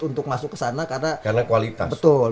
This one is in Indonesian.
untuk masuk ke sana karena kualitas betul